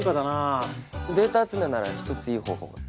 データ集めなら一ついい方法が。